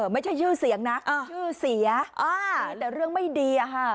ไม่ใช่ชื่อเสียงนะชื่อเสียแต่เรื่องไม่ดี